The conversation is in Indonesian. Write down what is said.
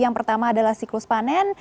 yang pertama adalah siklus panen